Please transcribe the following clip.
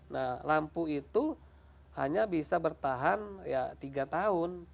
nah lampu itu hanya bisa bertahan ya tiga tahun